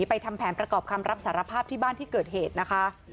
ทำแผนประกอบคำรับสารภาพที่บ้านที่เกิดเหตุนะคะ